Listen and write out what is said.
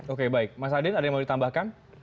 oke baik mas adin ada yang mau ditambahkan